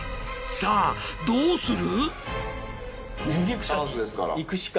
さあどうする？